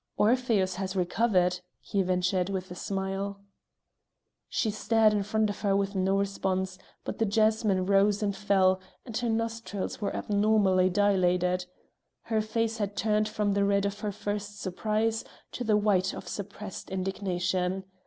"Orpheus has recovered," he ventured with a smile. She stared in front of her with no response; but the jasmine rose and fell, and her nostrils were abnormally dilated. Her face had turned from the red of her first surprise to the white of suppressed indignation.